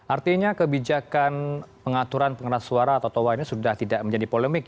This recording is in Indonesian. artinya kebijakan pengaturan pengeras suara atau toa ini sudah tidak menjadi polemik